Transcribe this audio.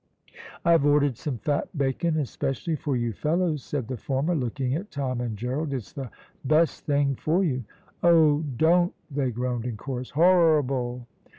"I've ordered some fat bacon especially for you fellows," said the former, looking at Tom and Gerald; "it's the best thing for you." "Oh, don't," they groaned in chorus. "Horrible!"